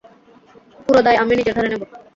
পুরো দায় আমি নিজের ঘাড়ে নেবো।